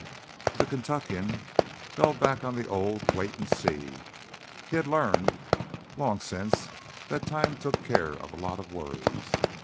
The Kentuckian fell back on the old "wait and see." He had learned long since that time took care of a lot of worries.